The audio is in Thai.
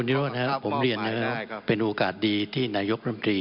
โรธนะครับผมเรียนนะครับเป็นโอกาสดีที่นายกรมตรี